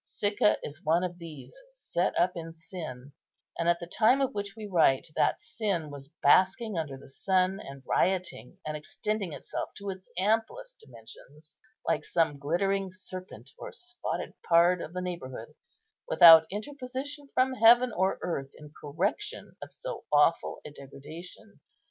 Sicca is one of these set up in sin; and at the time of which we write that sin was basking under the sun, and rioting and extending itself to its amplest dimensions, like some glittering serpent or spotted pard of the neighbourhood, without interposition from heaven or earth in correction of so awful a degradation.